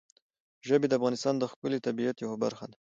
ژبې د افغانستان د ښکلي طبیعت یوه برخه ده.